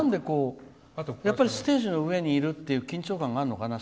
やっぱりステージの上にいるっていう緊張感があるのかな？